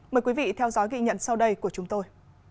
mời quý vị theo dõi ghi nhận sau đây của chúng tôi